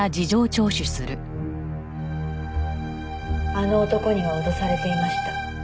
「あの男には脅されていました」